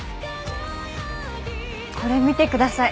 これ見てください。